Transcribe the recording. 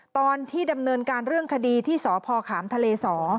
ตอนที่ดำเนินการเรื่องคดีที่สพขามทะเลสอ